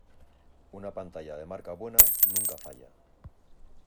Una pantalla de marca buena nunca falla.